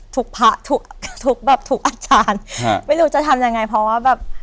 พระทุกทุกแบบทุกอาจารย์ไม่รู้จะทำยังไงเพราะว่าแบบ